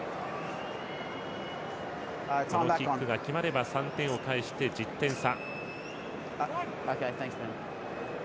このキックが決まれば３点を返して１０点差。